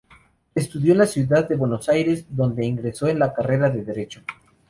Estudió en la ciudad de Buenos Aires, donde ingresó en la carrera de derecho.